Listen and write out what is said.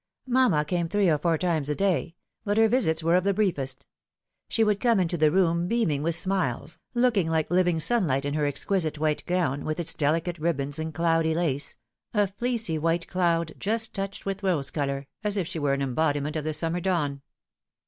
Mamma came three or four times a day ; but her visits were of the briefest. She would come into the room beaming with smiles, looking like living sunlight in her exquisite white gown, with its delicate ribbons and cloudy lace a fleecy white cloud just touched with rose colour, as if she were an embodiment of the summer dawn.